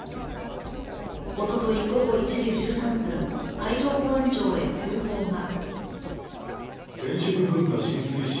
一昨日午後１時１３分、海上保安庁へ通報が。